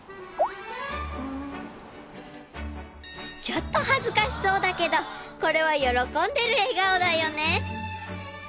［ちょっと恥ずかしそうだけどこれは喜んでる笑顔だよね？］